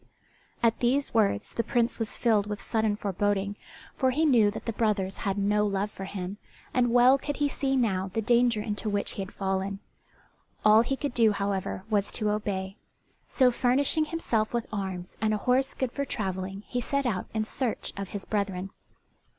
At these words the Prince was filled with sudden foreboding, for he knew that the brothers had no love for him, and well could he see now the danger into which he had fallen. All he could do, however, was to obey; so furnishing himself with arms and a horse good for travelling, he set out in search of his brethren.